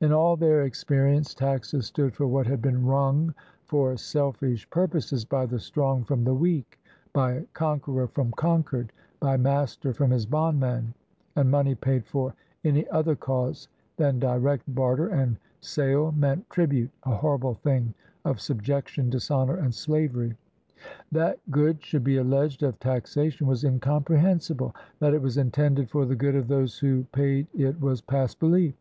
In aU their experience taxes stood for what had been wrung for selfish purposes by the strong from the weak, by conqueror from conquered, by master from his bondman; and money paid for any other cause than direct barter and sale meant tribute, a horrible thing of subjection, dishonor, and slavery. That good should be alleged of taxation was incompre hensible; that it was intended for the good of those who paid it was past belief.